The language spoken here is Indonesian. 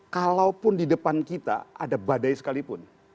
kalaupun di depan kita ada badai sekalipun